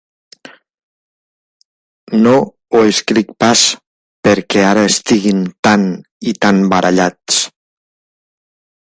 No ho escric pas perquè ara estiguin tan i tan barallats.